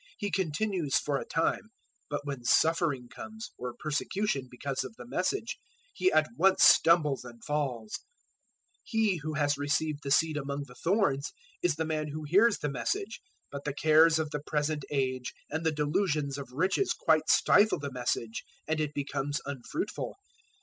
He continues for a time, but when suffering comes, or persecution, because of the Message, he at once stumbles and falls. 013:022 He who has received the seed among the thorns is the man who hears the Message, but the cares of the present age and the delusions of riches quite stifle the Message, and it becomes unfruitful.